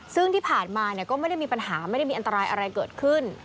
ซึ่งที่ผ่านมาก็ไม่ได้มีปัญหาไม่ได้มีอันตรายอะไรเกิดขึ้น